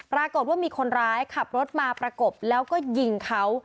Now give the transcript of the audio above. ปรากฏว่ามีคนร้ายขับรถมาประกบแล้วก็ยิงเขา